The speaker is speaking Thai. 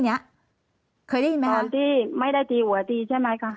เนี้ยเคยได้ยินไหมตอนที่ไม่ได้ตีหัวตีใช่ไหมคะ